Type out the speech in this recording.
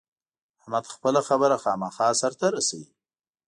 احمد خپله خبره خامخا سر ته رسوي.